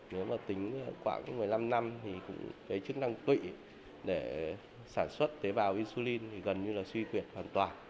nếu mà tính quãng một mươi năm năm thì cũng cái chức năng tụy để sản xuất tế vào insulin thì gần như là suy quyệt hoàn toàn